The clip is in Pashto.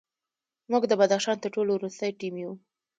موږ د بدخشان تر ټولو وروستی ټیم وو.